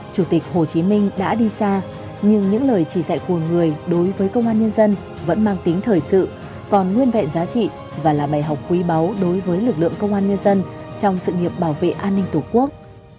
chủ tịch hồ chí minh đã đi xa nhưng những lời chỉ dạy của người đối với công an nhân dân vẫn mang tính thời sự còn nguyên vẹn giá trị và là bài học quý báu đối với lực lượng công an nhân dân trong sự nghiệp bảo vệ an ninh tổ quốc